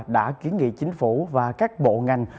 đã kiến nghị chính phủ và các bộ ngành